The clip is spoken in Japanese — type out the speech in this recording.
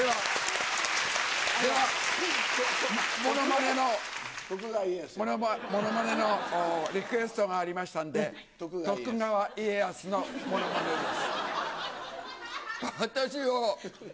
では、ものまねのリクエストがありましたんで、徳川家康のものまねです。